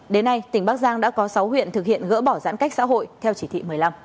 đến nay tỉnh bắc giang đã có sáu huyện thực hiện gỡ bỏ giãn cách xã hội theo chỉ thị một mươi năm